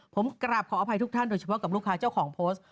ผมกราบขออภัยทุกท่านโดยเฉพาะกับลูกค้าเจ้าของโพสต์